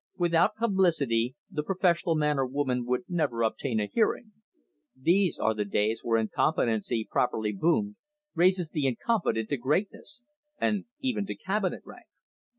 Without publicity, the professional man or woman would never obtain a hearing. These are the days when incompetency properly boomed raises the incompetent to greatness and even to Cabinet rank.